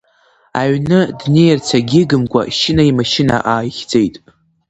Аҩны днеирц агьигымкәа, Шьына имашьына ааихьӡеит.